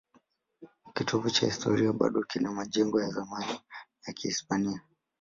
Kitovu cha kihistoria bado kina majengo ya zamani ya Kihispania.